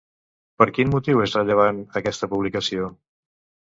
Per quin motiu és rellevant aquesta publicació?